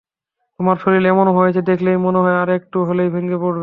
তোমার শরীর এমন হয়েছে দেখলেই মনে হয়, আর-একটু হলেই ভেঙে পড়বে।